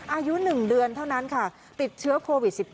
อายุ๑เดือนเท่านั้นค่ะติดเชื้อโควิด๑๙